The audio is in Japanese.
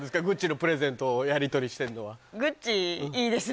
ＧＵＣＣＩのプレゼントをやりとりしてるのは。